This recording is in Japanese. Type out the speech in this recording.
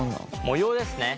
模様ですね。